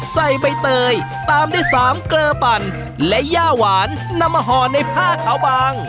ใส่ใบเตยตามด้วยสามเกลือปั่นและย่าหวานนำมาห่อในผ้าขาวบาง